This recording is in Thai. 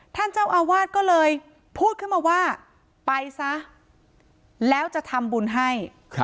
ท่านเจ้าอาวาสก็เลยพูดขึ้นมาว่าไปซะแล้วจะทำบุญให้